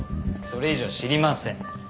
それ以上は知りません。